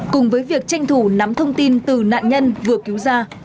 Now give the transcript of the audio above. cùng với việc tranh thủ nắm thông tin từ nạn nhân vừa cứu ra